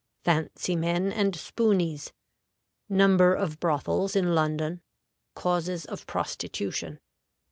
"Fancy Men" and "Spooneys." Number of Brothels in London. Causes of Prostitution.